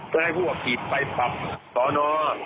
ก็ให้ผู้อาคีกไปปรับสอนออ